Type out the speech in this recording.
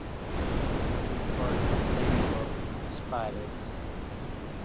All have been called "ladybird spiders".